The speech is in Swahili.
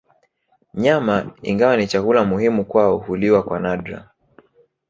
Nyama ingawa ni chakula muhimu kwao huliwa kwa nadra